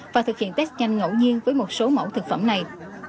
và thực hiện test nhanh ngẫu nhiên với một số mẫu thực phẩm này